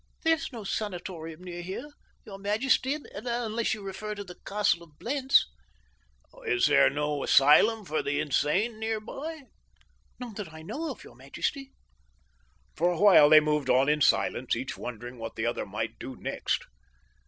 "There is no sanatorium near here, your majesty, unless you refer to the Castle of Blentz." "Is there no asylum for the insane near by?" "None that I know of, your majesty." For a while they moved on in silence, each wondering what the other might do next.